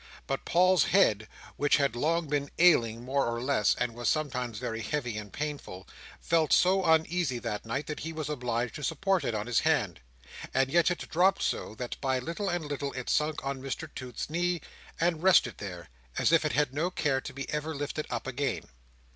But Paul's head, which had long been ailing more or less, and was sometimes very heavy and painful, felt so uneasy that night, that he was obliged to support it on his hand. And yet it dropped so, that by little and little it sunk on Mr Toots's knee, and rested there, as if it had no care to be ever lifted up again.